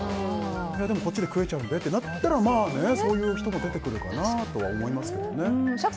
でも、こっちで食えちゃうんでってなったらそういう人も出てくるかなとは思いますけどね。